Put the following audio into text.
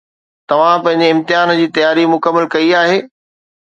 توهان پنهنجي امتحان جي تياري مڪمل ڪئي آهي